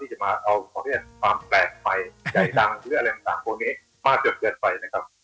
จะเอาของเรียกความแปลกไปใจดังมากเกินไป